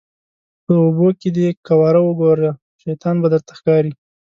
په اوبو کې دې قواره وګوره شیطان به درته ښکاري.